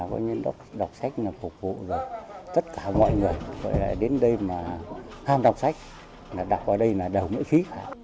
vườn đọc sách là phục vụ tất cả mọi người đến đây mà tham đọc sách đọc ở đây là đầu miễn phí